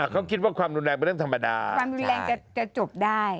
เขาคิดว่าความลุนแรงเป็นเรื่องธรรมดาใช่จะจบได้